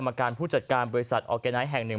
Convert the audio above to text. การผู้จัดการบริษัทออร์แกไนท์แห่งหนึ่ง